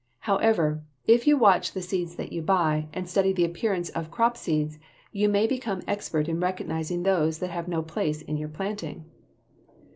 However, if you watch the seeds that you buy, and study the appearance of crop seeds, you may become expert in recognizing those that have no place in your planting.